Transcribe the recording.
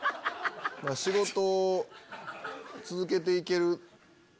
仕事続けて行ける。